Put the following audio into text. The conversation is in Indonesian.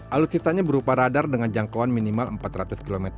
alutsisanya berupa radar dengan jangkauan minimal empat ratus km